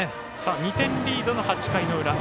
２点リードの８回の裏。